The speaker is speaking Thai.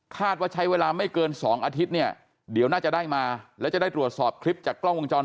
ว่าใช้เวลาไม่เกิน๒อาทิตย์เนี่ยเดี๋ยวน่าจะได้มาแล้วจะได้ตรวจสอบคลิปจากกล้องวงจร